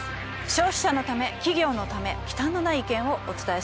消費者のため企業のため忌憚のない意見をお伝えします。